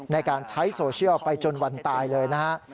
ในการใช้โซเชียลไปจนวันตายเลยนะฮะ